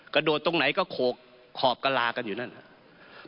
กระโดดตรงไหนก็โขกขอบกะลากันอยู่นั่นครับ